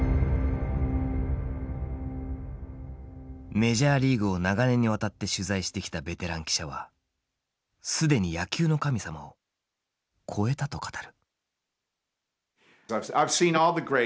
メジャーリーグを長年にわたって取材してきたベテラン記者は「既に野球の神様を超えた」と語る。